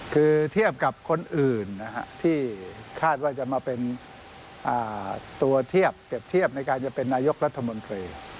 คือเทียบกับคนอื่นที่คาดว่าจะมาเป็นตัวเทียบเปรียบเทียบในการจะเป็นนายกรัฐมนตรี